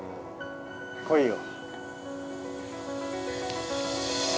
◆来いよ。